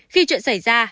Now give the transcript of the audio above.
khi chuyện xảy ra